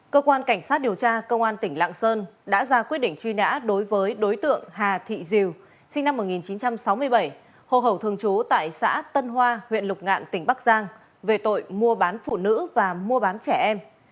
cơ quan cảnh sát điều tra công an tỉnh lạng sơn đã ra quyết định truy nã đối với đối tượng hà thị diều sinh năm một nghìn chín trăm sáu mươi bảy hồ hậu thường trú tại xã tân hoa huyện lục ngạn tỉnh bắc giang về tội mua bán phụ nữ và mua bán trẻ em